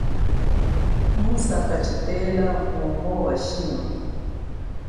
Musaka tshitela welo wa shima.